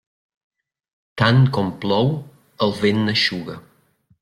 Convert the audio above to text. Tant com plou, el vent n'eixuga.